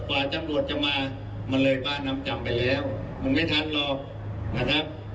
กว่าตำรวจจะมามันเลยบ้านน้ำจำไปแล้วมันไม่ทันหรอกนะครับ